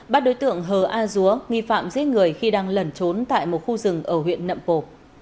bắt đối tượng hờ a dúa nghi phạm giết người khi đang lẩn trốn tại một khu rừng ở huyện nậm pồ